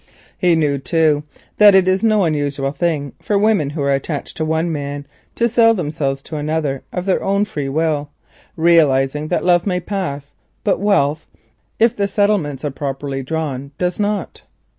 He knew, too, that it is no rare thing for women who are attached to one man to sell themselves to another of their own free will, realising that love may pass, but wealth (if the settlements are properly drawn) does not.